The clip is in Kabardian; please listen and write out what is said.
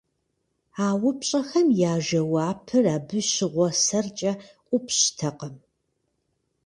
А упщӀэхэм я жэуапыр абы щыгъуэ сэркӀэ ӀупщӀтэкъым.